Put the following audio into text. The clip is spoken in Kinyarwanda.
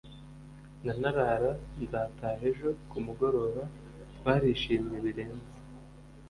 ndanarara nzataha ejo kumugoroba twarishimye birenze